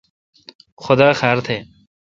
خدا خار تھہ۔